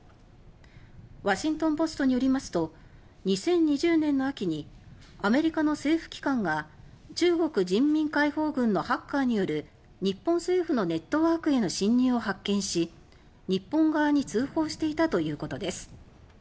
ワシントン・ポストによりますと２０２０年の秋にアメリカの政府機関が中国人民解放軍のハッカーによる日本政府のネットワークへの侵入を発見し日本側に通報していたということです。